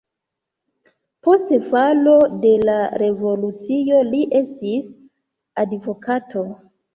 Post falo de la revolucio li estis advokato.